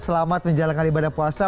selamat menjalankan ibadah puasa